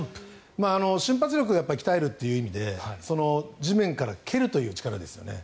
瞬発力を鍛えるという意味で地面を蹴るという力ですよね。